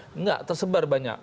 tidak tersebar banyak